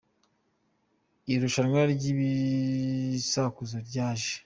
Irushanwa ry’ibisakuzo ryaje